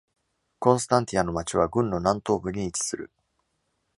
コンスタンティアの町は郡の南東部に位置する。